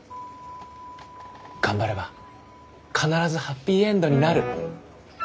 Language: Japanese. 頑張れば必ずハッピーエンドになる。